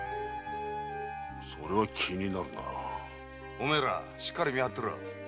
お前らしっかり見張ってろよ。